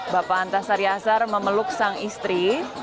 bapak antas saryazar memeluk sang istri